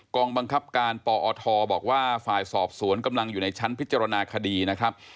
องบังคับการปอทบอกว่าฝ่ายสอบสวนกำลังอยู่ในชั้นพิจารณาคดีนะครับ